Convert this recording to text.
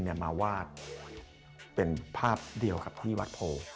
มาวาดเป็นภาพเดียวกับที่วัดโพ